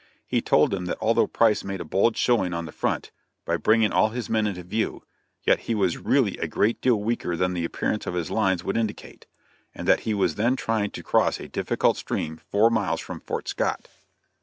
He told them that although Price made a bold showing on the front, by bringing all his men into view, yet he was really a great deal weaker than the appearance of his lines would indicate; and that he was then trying to cross a difficult stream four miles from Fort Scott.